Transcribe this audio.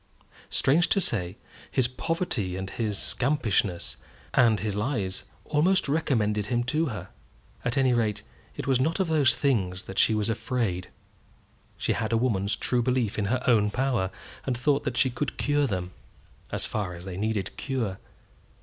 Strange to say, his poverty and his scampishness and his lies almost recommended him to her. At any rate, it was not of those things that she was afraid. She had a woman's true belief in her own power, and thought that she could cure them, as far as they needed cure.